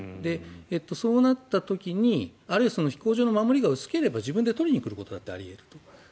そうなった時に、あるいは飛行場の守りが薄ければ自分で取りに来ることだってあり得ると。